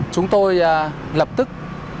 chúng tôi lập tức